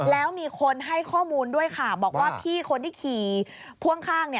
แล้วมีคนให้ข้อมูลด้วยค่ะบอกว่าพี่คนที่ขี่พ่วงข้าง